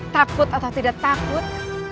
takut atau tidak takut